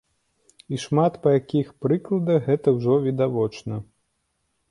І шмат па якіх прыкладах гэта ўжо відавочна.